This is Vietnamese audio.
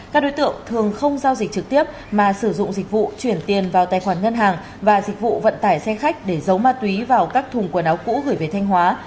các đối tượng thường không giao dịch trực tiếp mà sử dụng dịch vụ chuyển tiền vào tài khoản ngân hàng và dịch vụ vận tải xe khách để giấu ma túy vào các thùng quần áo cũ gửi về thanh hóa